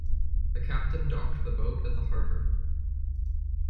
The captain docked the boat at the harbour.